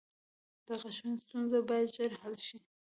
• د غاښونو ستونزه باید ژر حل شي.